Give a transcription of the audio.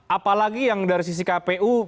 apa lagi yang dari sisi kpu